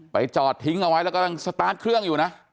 จอดทิ้งเอาไว้แล้วก็กำลังสตาร์ทเครื่องอยู่นะ